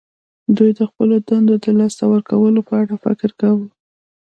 دوی د خپلو دندو د لاسه ورکولو په اړه فکر کاوه